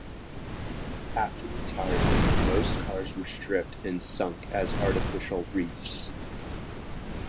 After retirement, most cars were stripped and sunk as artificial reefs.